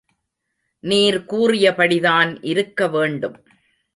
நீர் கூறிய படிதான் இருக்க வேண்டும்.